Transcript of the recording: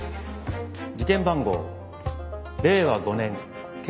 事件番号令和５年ケ